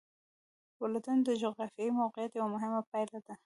ولایتونه د جغرافیایي موقیعت یوه مهمه پایله ده.